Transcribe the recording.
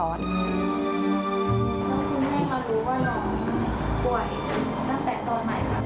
ต้องคุณให้มารู้ว่าเราป่วยตั้งแต่ตอนไหนค่ะ